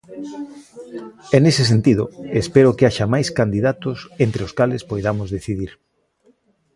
E nese sentido, espero que haxa máis candidatos entre os cales poidamos decidir.